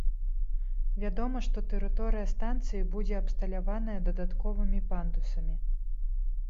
Вядома, што тэрыторыя станцыі будзе абсталяваная дадатковымі пандусамі.